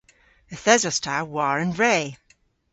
Yth esos ta war an vre.